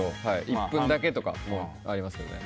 １分だけとかありますけどね。